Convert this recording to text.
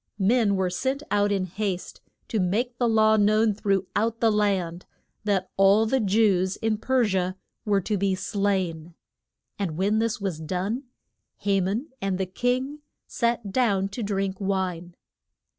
Men were sent out in haste to make the law known through out the land, that all the Jews in Per si a were to be slain. And when this was done Ha man and the king sat down to drink wine.